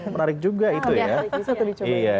menarik juga itu ya